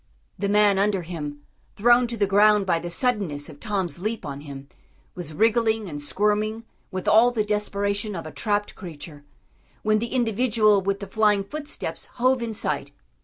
The man under him, thrown to the ground by the suddenness of Tom's leap on him, was wriggling and squirming with all the desperation of a trapped creature, when the individual with the flying footsteps hove in sight.